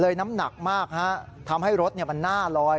น้ำหนักมากฮะทำให้รถมันหน้าลอย